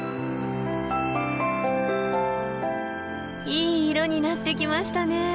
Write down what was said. いい色になってきましたね。